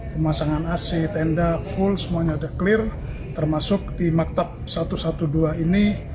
pemasangan ac tenda full semuanya sudah clear termasuk di maktab satu ratus dua belas ini